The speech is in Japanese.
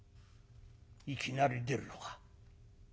いきなり出るのか。